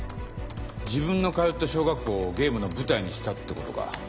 自分の通った小学校をゲームの舞台にしたってことか。